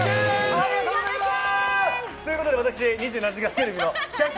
ありがとうございます！